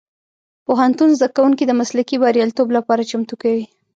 پوهنتون زدهکوونکي د مسلکي بریالیتوب لپاره چمتو کوي.